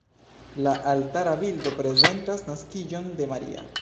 La altara bildo prezentas naskiĝon de Maria.